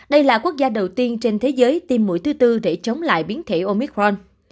đây là quốc gia đầu tiên trên thế giới tiêm mũi thứ tư để chống lại biến thể omicron